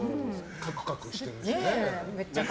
カクカクしてるしね。